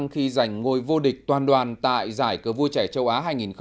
khi giành ngôi vô địch toàn đoàn tại giải cờ vua trẻ châu á hai nghìn một mươi chín